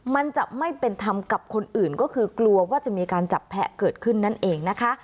มันจะไม่เป็นธรรมกับคนอื่นก็คือกลัวว่าจะมีการจับแพะเกิดขึ้นนั่นเองนะคะ